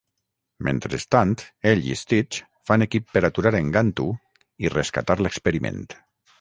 Mentrestant, ell i Stitch fan equip per aturar en Gantu i rescatar l'experiment.